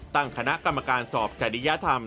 ตั้งคณะกรรมการสอบจริยธรรม